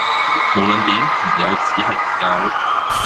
無論點，朋友只係朋友